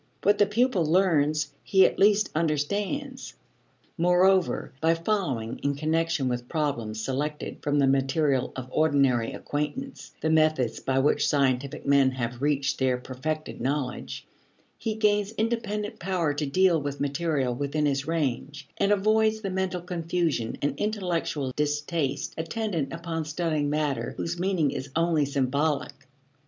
What the pupil learns he at least understands. Moreover by following, in connection with problems selected from the material of ordinary acquaintance, the methods by which scientific men have reached their perfected knowledge, he gains independent power to deal with material within his range, and avoids the mental confusion and intellectual distaste attendant upon studying matter whose meaning is only symbolic.